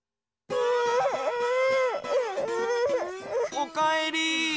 おかえり！